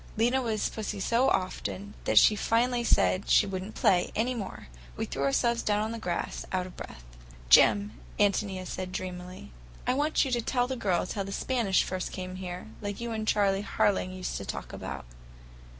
Lena was Pussy so often that she finally said she would n't play any more. We threw ourselves down on the grass, out of breath. "Jim," Ántonia said dreamily, "I want you to tell the girls about how the Spanish first came here, like you and Charley Harling used to talk about.